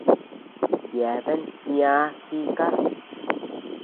Yeabean ñaʼä jika.